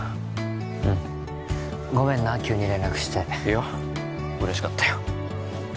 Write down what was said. うんごめんな急に連絡していや嬉しかったよ